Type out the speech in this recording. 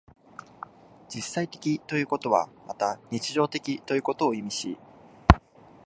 実際的ということはまた日常的ということを意味し、